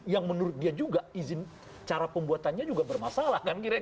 yang menurut dia juga izin cara pembuatannya juga bermasalah